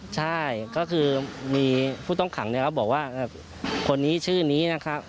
ใช่ก็คือมีผู้ต้องขังบอกว่าคนนี้ชื่อนี้นะครับ